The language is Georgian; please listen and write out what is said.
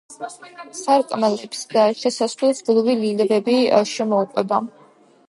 სარკმლებს და შესასვლელს გლუვი ლილვები შემოუყვება.